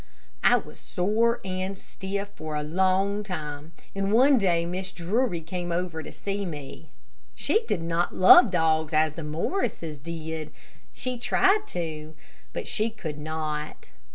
I was sore and stiff for a long time, and one day Mrs. Drury came over to see me. She did not love dogs as the Morrises did. She tried to, but she could not.